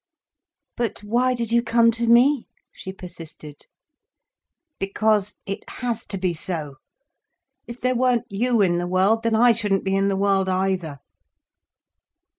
"But why did you come to me?" she persisted. "Because—it has to be so. If there weren't you in the world, then I shouldn't be in the world, either."